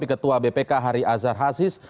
di tanggapi ketua bpk hari azhar hasis